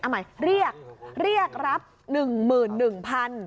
อ้าวใหม่เรียกรับนึงหมื่นหนึ่งพัน